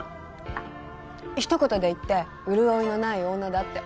一言で言って潤いのない女だって。